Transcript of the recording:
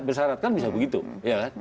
bersyarat kan bisa begitu ya kan